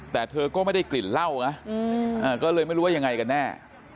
แต่เธอก็ไม่ได้กลิ่นเหล้านะก็เลยไม่รู้ว่ายังไงกันแน่